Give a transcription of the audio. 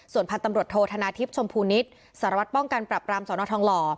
ส่วนพันธ์ตำรวจโทษธนาทิพย์ชมพูนิตสารวัตรป้องกันปรับรามสนทองหล่อ